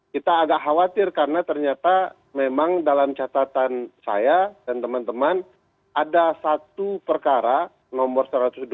kita agak khawatir karena ternyata memang dalam catatan saya dan teman teman ada satu perkara nomor satu ratus dua puluh